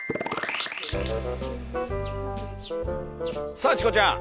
さあチコちゃん。